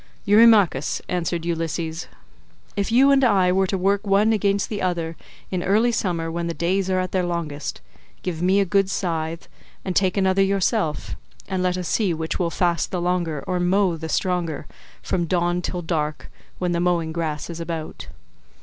"Eurymachus," answered Ulysses, "if you and I were to work one against the other in early summer when the days are at their longest—give me a good scythe, and take another yourself, and let us see which will last the longer or mow the stronger, from dawn till dark when the mowing grass is about.